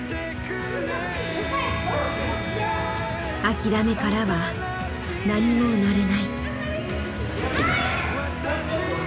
「あきらめからは何も生まれない」。